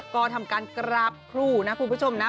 ก็ทำการกราบครูนะคุณผู้ชมนะ